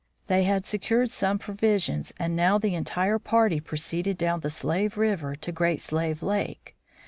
They had secured some provisions, and now the entire party proceeded down the Slave river to Great Slave lake.